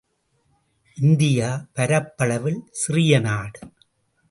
India, பரப்பளவில் சிறிய நாடு.